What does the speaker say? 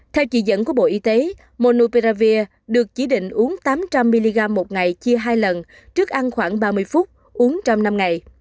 theo chỉ dẫn của bộ y tế monupreravir được chỉ định uống tám trăm linh mg một ngày chia hai lần trước ăn khoảng ba mươi phút uống trăm năm ngày